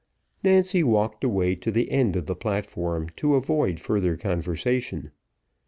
Nancy walked away to the end of the platform to avoid further conversation.